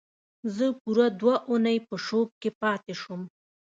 زه پوره دوه اونۍ په شوک کې پاتې شوم